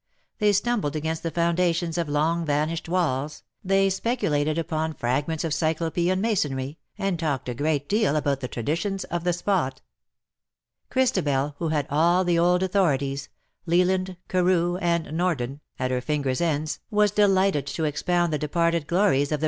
They stumbled against the foundations of long vanished walls, they speculated upon fragments of cyclopean masonry, and talked a great deal about the traditions of the spot. Christabel, who had all the old authorities — Leland, Carcw, and Norden — at her fingers' ends, was delighted to expound the departed glories of 86 "ttntagel, half in sea, axd half on land."